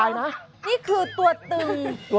นี่คือตัวตึง